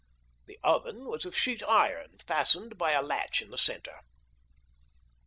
The oven was of sheet iron, fastened by a latch in the centre.